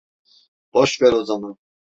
Boş ver o zaman.